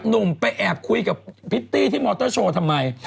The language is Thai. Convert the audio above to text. หนุ่มไปแอบคุยกับพริตตี้ที่มอเตอร์โชว์ทำไม